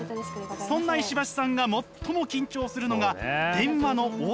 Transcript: そんな石橋さんが最も緊張するのが電話の応対。